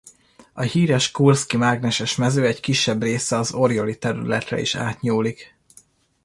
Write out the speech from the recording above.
A híres kurszki mágneses mező egy kisebb része az Orjoli területre is átnyúlik.